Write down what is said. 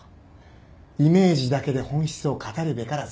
イメージだけで本質を語るべからず。